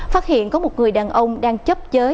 phát hiện có một người đàn ông đang chấp chới